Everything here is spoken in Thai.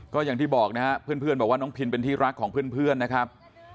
ก็อย่างที่บอกนะครับเพื่อนบอกว่าน้องพินเป็นที่รักของเพื่อนนะครับ